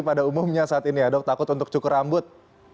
pada umumnya saat ini ya dok takut untuk cukur rambut